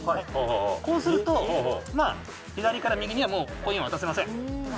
こうすると、左から右へはコインわたせません。